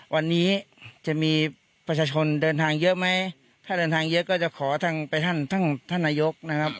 วันนี้จะมีประชาชนเดินทางเยอะไหมถ้าเดินทางเยอะก็จะขอทางไปท่านท่านนายกนะครับ